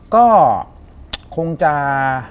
ก็คงจะ